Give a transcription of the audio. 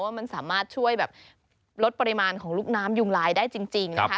ว่ามันสามารถช่วยแบบลดปริมาณของลูกน้ำยุงลายได้จริงนะคะ